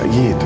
bisa gitu sih